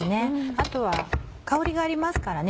あとは香りがありますからね